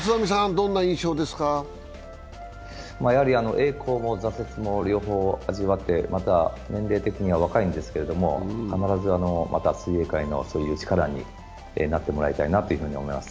栄光も挫折も両方味わって、まだ年齢的には若いんですけど必ず水泳界の力になってもらいたいなと思います。